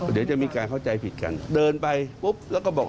เดี๋ยวจะมีการเข้าใจผิดกันเดินไปปุ๊บแล้วก็บอก